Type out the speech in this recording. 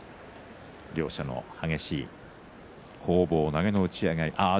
両者の激しい攻防、投げの打ち合いで。